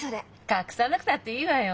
隠さなくたっていいわよ。